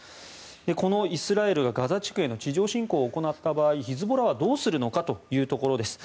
このイスラエルがガザ地区への地上侵攻を行った場合ヒズボラはどうするのかというところです。